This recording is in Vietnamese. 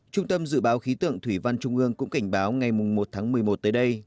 trung tâm dự báo khí tượng thủy văn trung ương cũng cảnh báo ngày một tháng một mươi một tới đây